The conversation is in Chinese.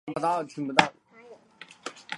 指的是在身体组织中蓄积的脓。